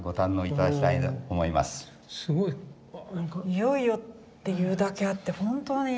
いよいよっていうだけあって本当に。